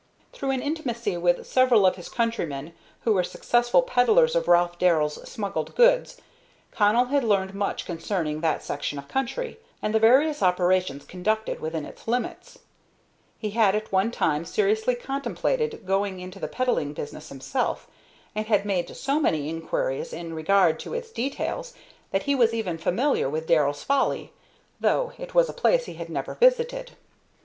Through an intimacy with several of his countrymen who were successful peddlers of Ralph Darrell's smuggled goods, Connell had learned much concerning that section of country, and the various operations conducted within its limits. He had at one time seriously contemplated going into the peddling business himself, and had made so many inquiries in regard to its details that he was even familiar with "Darrell's Folly," though it was a place he had never visited.